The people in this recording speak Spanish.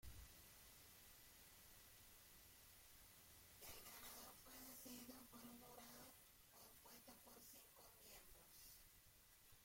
El ganador fue decidido por un jurado compuesto por cinco miembros.